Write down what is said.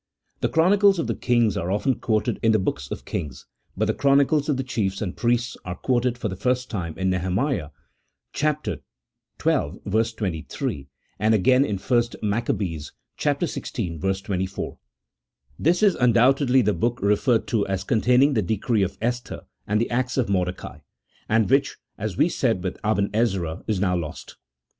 The chronicles of the kings are often quoted in the hooks of Kings, but the chronicles of the chiefs and priests are quoted for the first time in Nehemiah xii. 23, and again in 1 Mace. xvi. 24. This is undoubtedly the book referred to as containing the decree of Esther and the acts of Mordecai ; and which, as we said with Aben Ezra, is now lost.